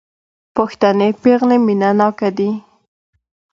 پښتنې پېغلې مينه ناکه دي